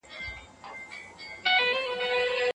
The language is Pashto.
انسان په اسانۍ سره غولیږي.